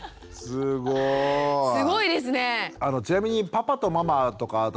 すごいですね。